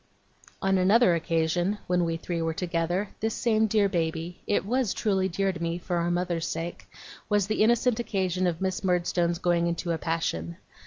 On another occasion, when we three were together, this same dear baby it was truly dear to me, for our mother's sake was the innocent occasion of Miss Murdstone's going into a passion.